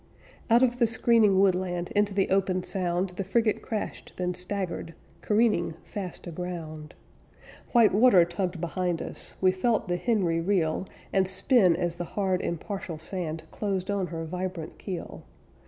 Out of the screening woodland Into the open sound The frigate crashed, then staggered Careening, fast aground. White water tugged behind us, We felt the Henry reel And spin as the hard impartial sand Closed on her vibrant keel.